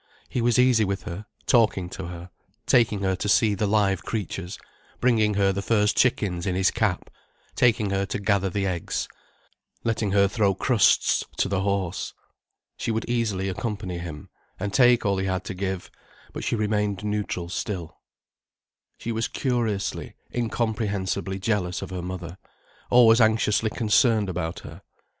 He was easy with her, talking to her, taking her to see the live creatures, bringing her the first chickens in his cap, taking her to gather the eggs, letting her throw crusts to the horse. She would easily accompany him, and take all he had to give, but she remained neutral still. She was curiously, incomprehensibly jealous of her mother, always anxiously concerned about her.